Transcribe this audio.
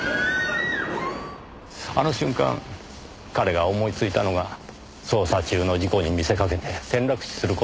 あの瞬間彼が思いついたのが捜査中の事故に見せかけて転落死する事だったのでしょう。